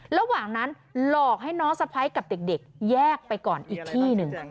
ระหว่างนั้นหลอกให้น้องสะพ้ายกับเด็กแยกไปก่อนอีกที่หนึ่ง